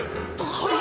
はい？